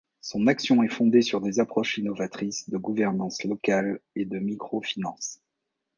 Son action est fondée sur des approches innovatrices de gouvernance locale et de microfinance.